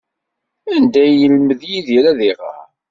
Anda ay yelmed Yidir ad iɣer?